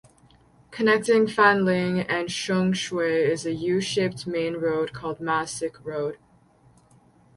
Connecting Fanling and Sheung Shui is an U-shaped main road called Ma Sik Road.